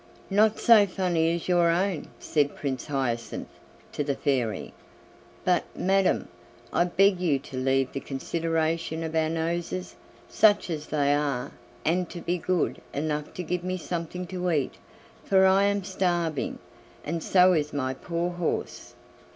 "Not so funny as your own," said Prince Hyacinth to the Fairy; "but, madam, I beg you to leave the consideration of our noses such as they are and to be good enough to give me something to eat, for I am starving, and so is my poor horse."